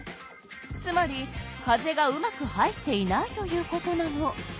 つまり風がうまく入っていないということなの。